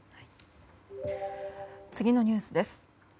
次のニュースです。